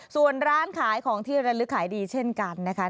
ส่วนร้านขายของที่ระลึกขายดีเช่นกันนะคะ